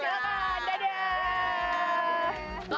ya silakan dadah